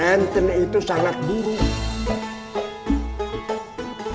renten itu sangat buruk